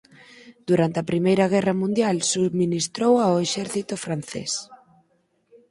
Durante a Primeira Guerra Mundial subministrou ao exército francés.